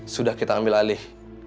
sudah kita ambil alih